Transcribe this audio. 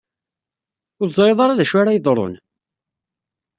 Ur teẓriḍ ara d acu ara yeḍrun?